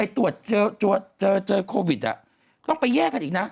ตรวจเจอโควิดต้องไปแยกกันอีกนะ